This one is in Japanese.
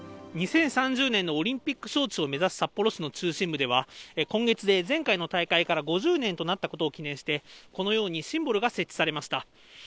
２０３０年のオリンピック招致を目指す札幌市の中心部では、今月で前回の大会から５０年となったことを記念して、このようにシンボルが設置されました。